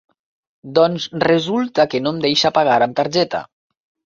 Doncs resulta que no em deixa pagar amb targeta.